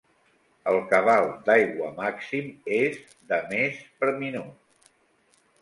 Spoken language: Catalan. El cabal d'aigua màxim és de més per minut.